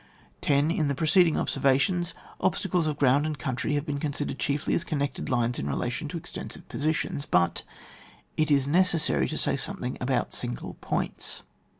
1 0. In the preceding observations, ob stacles of ground and country have been considered chiefly as connected lines in relation to extensive positions, but it is necessary to say something about single points.